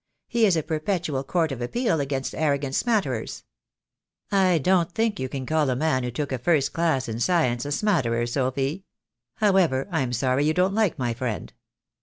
He is a perpetual court of appeal against arrogant smatterers." "I don't think you can call a man who took a first class in science a smatterer, Sophy. However, I'm sorry you don't like my friend."